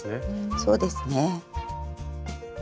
そうですね。